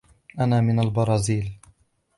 أنا من البرازيل.